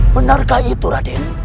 benarkah itu raden